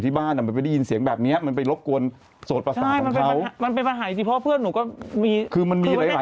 ถ้าจะพูดเป็นคนหลับแล้วแบบว่าไม่ค่อยได้ยินอะไร